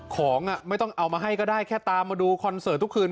ของไม่ต้องเอามาให้ก็ได้แค่ตามมาดูคอนเสิร์ตทุกคืน